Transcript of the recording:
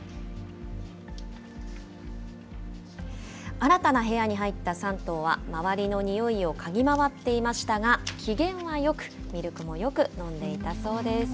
新たな部屋に入った３頭は、周りのにおいを嗅ぎ回っていましたが、機嫌はよく、ミルクもよく飲んでいたそうです。